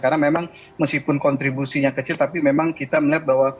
karena memang meskipun kontribusinya kecil tapi memang kita melihat bahwa